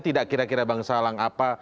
tidak kira kira bang salang apa